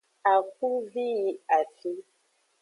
Akuvi yi afi.